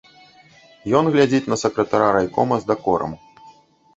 Ён глядзіць на сакратара райкома з дакорам.